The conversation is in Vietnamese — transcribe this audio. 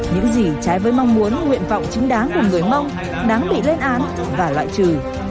những gì trái với mong muốn nguyện vọng chính đáng của người mông đáng bị lên án và loại trừ